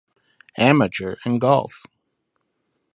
Amateur in golf.